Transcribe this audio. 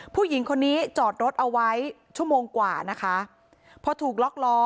ผู้หญิงคนนี้จอดรถเอาไว้ชั่วโมงกว่านะคะพอถูกล็อกล้อ